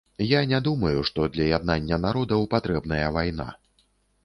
Я не думаю, што для яднання народаў патрэбная вайна.